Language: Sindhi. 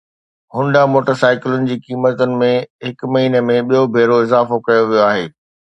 هونڊا موٽرسائيڪلن جي قيمتن ۾ هڪ مهيني ۾ ٻيو ڀيرو اضافو ڪيو ويو آهي